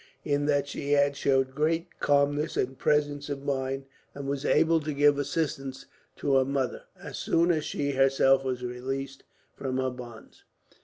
In that she had showed great calmness and presence of mind, and was able to give assistance to her mother, as soon as she herself was released from her bonds."